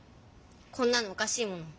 こんなのおかしいもん。